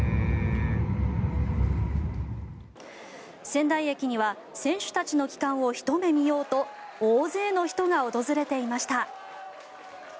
仙台駅には選手たちの帰還をひと目見ようと大勢の人が訪れていました。